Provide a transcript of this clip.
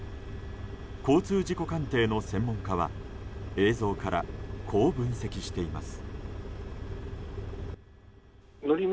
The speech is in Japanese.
交通事故鑑定の専門家は映像から、こう分析しています。